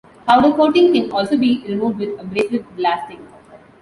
Powder coating can also be removed with abrasive blasting.